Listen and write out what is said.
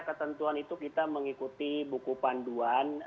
ketentuan itu kita mengikuti buku panduan